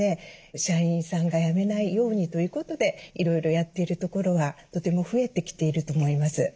社員さんが辞めないようにということでいろいろやってるところはとても増えてきていると思います。